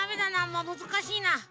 もうむずかしいな。